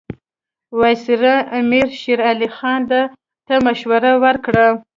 وایسرا امیر شېر علي خان ته مشوره ورکړه.